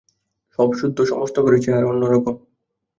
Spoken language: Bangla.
সবসুদ্ধ সমস্ত ঘরের চেহারা অন্যরকম।